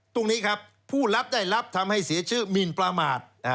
ตรงนี้ครับผู้รับได้รับทำให้เสียชื่อมินประมาท